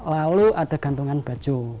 lalu ada gantungan baju